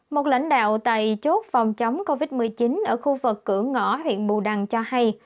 một lãnh đạo tại chốt phòng chống covid một mươi chín ở khu vực cửa ngõ huyện bù đăng cho hay